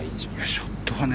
ショットはね